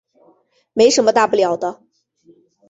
没什么大不了的